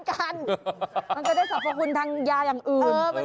มันจะได้สรรพคุณทางยาอย่างอื่น